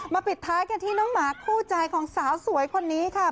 ปิดท้ายกันที่น้องหมาคู่ใจของสาวสวยคนนี้ค่ะ